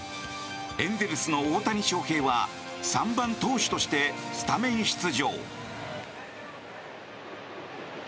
エンゼルスの大谷翔平は３番投手としてスタメン出場。